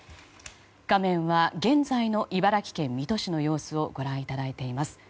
画面は現在の茨城県水戸市の様子をご覧いただいています。